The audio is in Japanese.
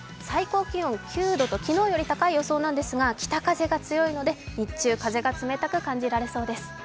最高気温９度と昨日より高い予想なんですが北風が強いので、日中風が冷たく感じられそうです。